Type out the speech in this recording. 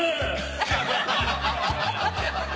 アハハハ。